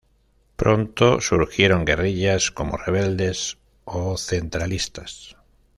Pronto surgieron guerrillas, como rebeldes o centralistas.